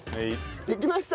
できました。